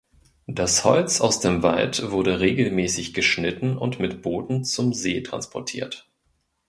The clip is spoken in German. Das Holz aus dem Wald wurde regelmässig geschnitten und mit Booten zum See transportiert.